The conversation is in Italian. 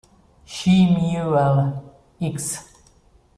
Shemu'el, x.